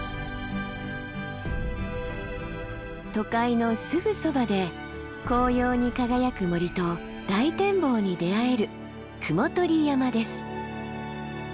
都会のすぐそばで紅葉に輝く森と大展望に出会える雲取山です。